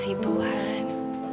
terima kasih tuhan